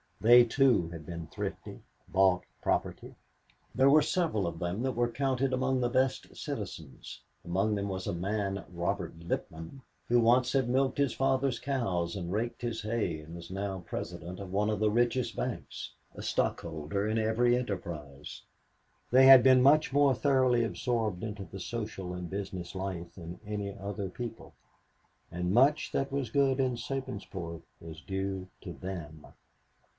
They too had been thrifty bought property. There were several of them that were counted among the best citizens; among them was a man, Rupert Littman, who once had milked his father's cows and raked his hay and now was president of one of the richest banks, a stockholder in every enterprise. They had been much more thoroughly absorbed into the social and business life than any other people, and much that was good in Sabinsport was due to them.